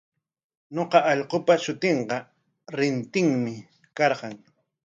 Ñuqa allqupa shutinqa Rintinmi karqan.